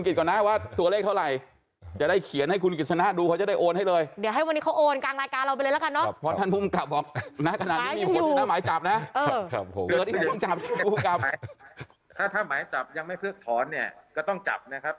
ถ้าถ้้ามายจับยังไม่เพิ่งถอนเนี่ยก็ต้องจับตามหน้าที่เนี่ย